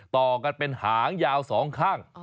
ต่อกันเป็นหางยาว๒ข้าง